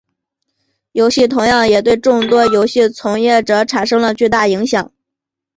游戏同样也对众多游戏从业者产生了巨大影响。